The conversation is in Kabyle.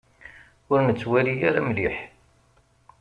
Ur nettwali ara mliḥ.